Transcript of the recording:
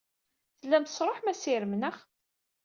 Tellam tesṛuḥem assirem, naɣ?